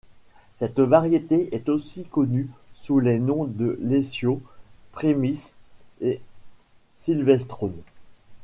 Cette variété est aussi connue sous les noms de Leccio, Premice et Silvestrone.